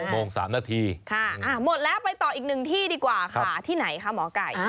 โมง๓นาทีหมดแล้วไปต่ออีกหนึ่งที่ดีกว่าค่ะที่ไหนคะหมอไก่